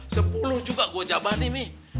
sepuluh juga gua jabah nih mi